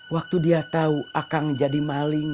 waktu dia tahu akang jadi maling